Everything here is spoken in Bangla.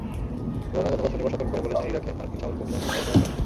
ওবামা গতকাল শনিবার সতর্ক করে বলেছেন, ইরাকে মার্কিন সামরিক অভিযানের কোনো সময়সীমা নেই।